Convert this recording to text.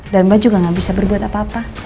dan mbak juga gak bisa berbuat apa apa